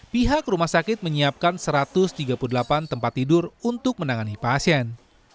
pihak rumah sakit menyiapkan satu ratus tiga puluh delapan tempat tidur untuk menangani pasien